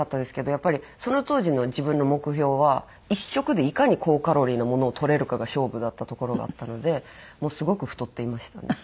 やっぱりその当時の自分の目標は１食でいかに高カロリーなものをとれるかが勝負だったところがあったのでもうすごく太っていましたね。